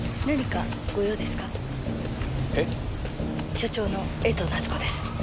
所長の江藤奈津子です。